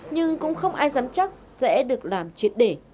nhưng cũng không ai dám chắc sẽ được làm triệt để